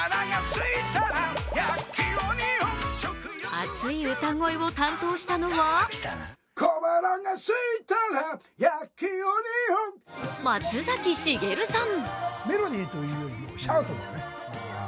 熱い歌声を担当したのは松崎しげるさん。